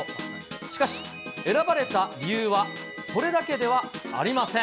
しかし、選ばれた理由はそれだけではありません。